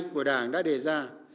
của đảng đã đề ra